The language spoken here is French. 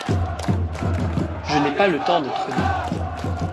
Je n’ai pas le temps d’être Œdipe.